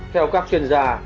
theo các chuyên gia